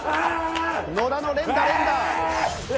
野田の連打連打！